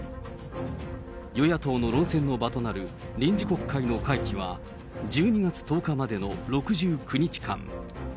与野党の論戦の場となる臨時国会の会期は１２月１０日までの６９日間。